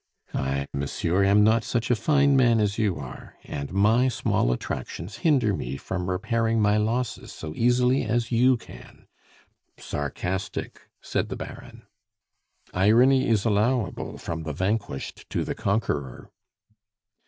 "I, monsieur, am not such a fine man as you are, and my small attractions hinder me from repairing my losses so easily as you can " "Sarcastic!" said the Baron. "Irony is allowable from the vanquished to the conquerer."